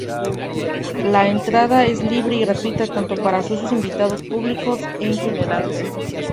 La entrada es libre y gratuita tanto para socios, invitados y público en general.